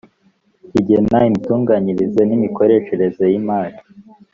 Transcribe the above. kigena imitunganyirize n’ imikoreshereze y’imari